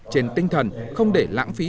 trên tinh thần không để lãng phí